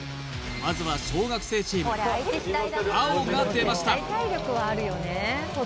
まずは小学生チーム青が出ました